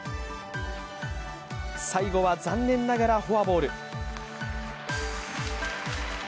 最後は残念ながらフォアボール。